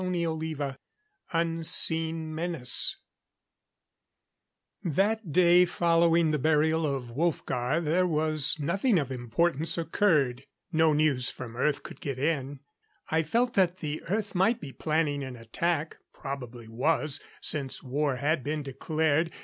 CHAPTER XX Unseen Menace That day following the burial of Wolfgar, there was nothing of importance occurred. No news from the Earth could get in. I felt that the Earth might be planning an attack. Probably was, since war had been declared.